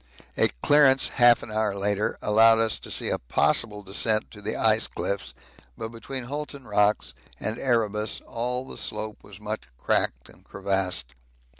A clearance half an hour later allowed us to see a possible descent to the ice cliffs, but between Hulton Rocks and Erebus all the slope was much cracked and crevassed.